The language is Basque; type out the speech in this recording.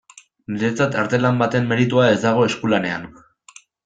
Niretzat artelan baten meritua ez dago eskulanean.